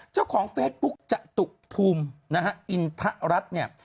เจ้าของเฟซบุ๊กจตุภูมินะฮะอินทะรัฐเนี่ย